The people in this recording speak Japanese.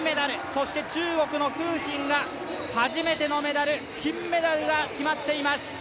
そして中国の馮彬が初めてのメダル金メダルが決まっています。